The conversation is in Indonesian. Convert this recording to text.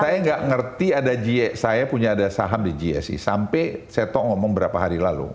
saya nggak ngerti ada saya punya ada saham di gsi sampai saya ngomong beberapa hari lalu